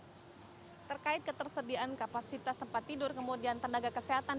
terkait ketersediaan kapasitas tempat tidur kemudian tenaga kesehatan